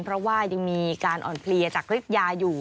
เพราะว่ายังมีการอ่อนเพลียจากฤทธิยาอยู่